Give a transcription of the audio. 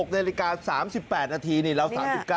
๖นาฬิกา๓๘นาทีนี่เรา๓๙